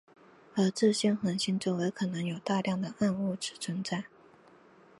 而这些恒星周围可能有大量暗物质存在。